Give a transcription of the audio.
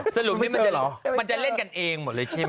สรุปนี้มันจะเล่นกันเองหมดเลยใช่ไหม